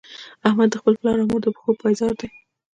احمد د خپل مور او پلار د پښو پایزار دی.